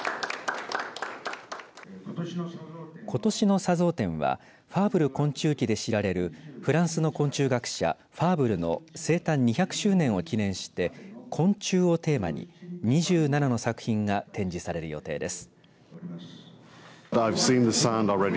ことしの砂像展はファーブル昆虫記で知られるフランスの昆虫学者ファーブルの生誕２００周年を記念して昆虫をテーマに２７の作品が展示される予定です。